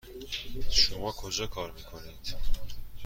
شما کجا کار میکنید؟